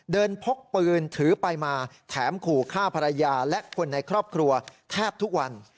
พกปืนถือไปมาแถมขู่ฆ่าภรรยาและคนในครอบครัวแทบทุกวัน